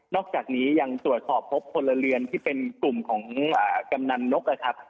อกจากนี้ยังตรวจสอบพบพลเรือนที่เป็นกลุ่มของกำนันนกนะครับ